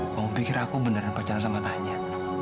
kamu pikir aku beneran pacaran sama tanya